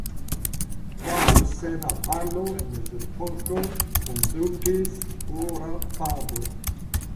Tra Lusena valo en mezepoko kondukis Ora pado.